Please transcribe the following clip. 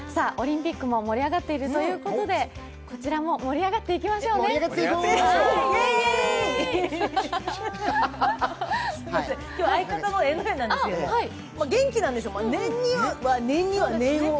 オリンピックも盛り上がっているということで、こちらも盛り上がっていきましょうね、イエーイ。